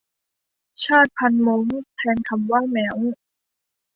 ชาติพันธุ์ม้ง แทนคำว่าแม้ว